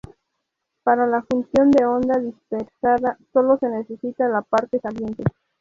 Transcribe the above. Para la función de onda dispersada, solo se necesita la parte saliente.